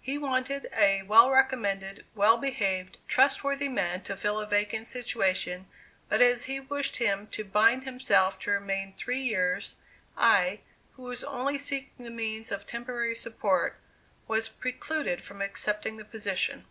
He wanted a well recommended, well behaved, trustworthy man to fill a vacant situation, but as he wished him to bind himself to remain three years, I, who was only seeking the means of temporary support, was precluded from accepting the position.